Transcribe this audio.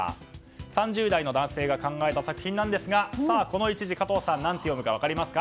３０代の男性が考えた作品ですがさあ、この一字加藤さん何て読むか分かりますか。